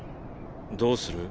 どうする？